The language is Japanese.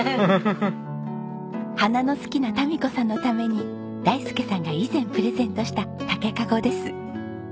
花の好きな民子さんのために大介さんが以前プレゼントした竹かごです。